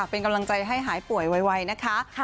เป็นกำลังใจให้หายป่วยไวนะคะ